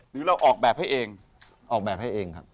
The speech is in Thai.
หรือเราออกแบบให้เองออกแบบให้เองครับ